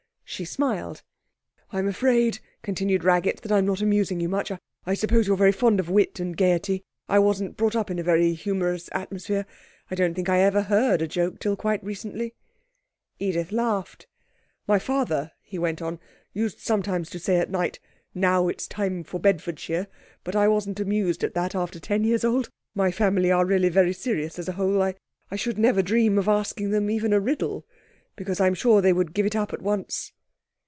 She smiled. 'I'm afraid,' continued Raggett, 'that I'm not amusing you much. I suppose you're very fond of wit and gaiety? I wasn't brought up in a very humorous atmosphere. I don't think I ever heard a joke till quite recently.' Edith laughed. 'My father,' he went on, 'used sometimes to say at night. "Now it's time for Bedfordshire," but I wasn't amused at that after ten years old. My family are really very serious as a whole. I should never dream of asking them even a riddle, because I'm sure they would give it up at once.'